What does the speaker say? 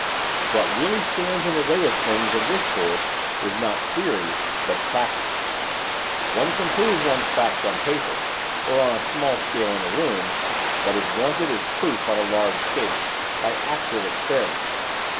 'What really stands in the way of things of this sort is not theory but practice, one can prove one's facts on paper, or on a small scale in a room; what is wanted is proof on a large scale, by actual experiment.